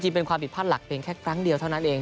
เป็นความผิดพลาดหลักเพียงแค่ครั้งเดียวเท่านั้นเอง